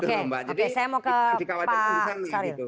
oke saya mau ke pak saryl